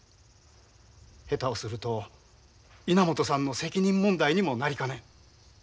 下手をすると稲本さんの責任問題にもなりかねん。